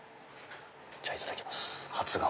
じゃあいただきます！